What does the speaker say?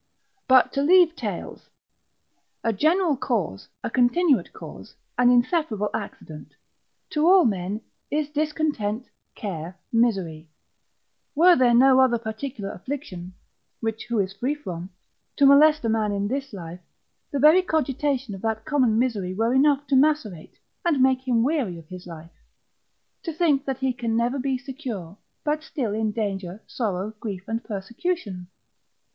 But to leave tales. A general cause, a continuate cause, an inseparable accident, to all men, is discontent, care, misery; were there no other particular affliction (which who is free from?) to molest a man in this life, the very cogitation of that common misery were enough to macerate, and make him weary of his life; to think that he can never be secure, but still in danger, sorrow, grief, and persecution.